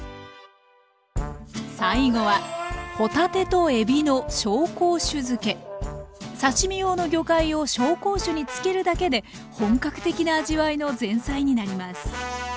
最後は刺身用の魚介を紹興酒に漬けるだけで本格的な味わいの前菜になります。